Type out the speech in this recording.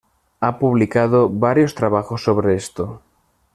Ha publicado varios trabajos sobre esto.